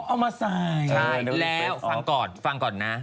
เอามาใส่แล้วฟังก่อนฟังก่อนนะ